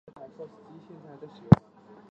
窝利士在警察队司职中锋或右翼。